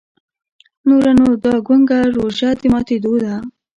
نوره نو دا ګونګه روژه د ماتېدو ده.